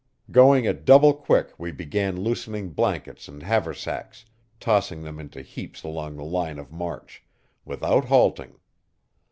Going at double quick we began loosening blankets and haversacks, tossing them into heaps along the line of march, without halting.